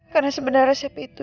karena sebenarnya resep itu